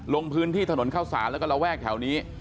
ลงพื้นที่ถนนเข้าสารแล้วก็ระแวกแถวนี้